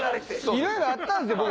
いろいろあったんすよ。